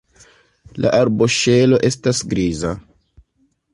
La arboŝelo estas griza.